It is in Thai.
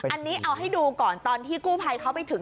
อันนี้เอาให้ดูก่อนตอนที่กู้ภัยเขาไปถึง